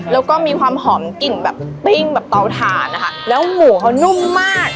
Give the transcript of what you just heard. แล้วก็มีความหอมกลิ่นแบบปิ้งแบบเตาถ่านนะคะแล้วหมูเขานุ่มมาก